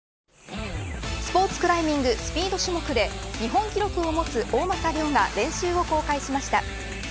スポーツクライミングスピード種目で日本記録を持つ大政涼が練習を公開しました。